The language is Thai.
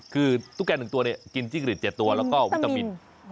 คือตุ๊กแก๑ตัวเนี่ยกินจิ้งหลีด๗ตัวแล้วก็วิตามิน